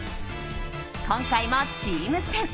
今回もチーム戦。